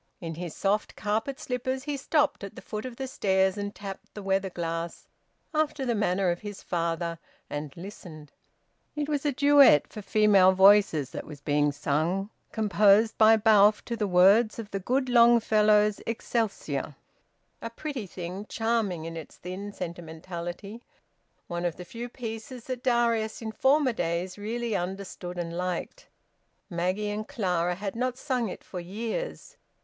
In his soft carpet slippers he stopped at the foot of the stairs and tapped the weather glass, after the manner of his father; and listened. It was a duet for female voices that was being sung, composed by Balfe to the words of the good Longfellow's "Excelsior." A pretty thing, charming in its thin sentimentality; one of the few pieces that Darius in former days really understood and liked. Maggie and Clara had not sung it for years.